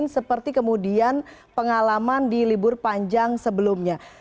seperti kemudian pengalaman di libur panjang sebelumnya